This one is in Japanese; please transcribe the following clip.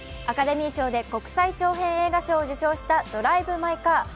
アカデミー賞で国際長編映画賞を受賞した「ドライブ・マイ・カー」。